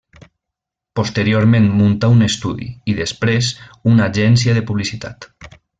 Posteriorment muntà un estudi i -després- una agència de publicitat.